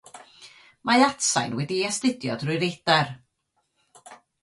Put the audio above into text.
Mae atsain wedi'i astudio drwy radar.